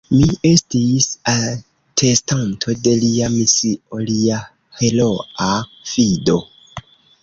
Mi estis atestanto de Lia misio, Lia heroa fido.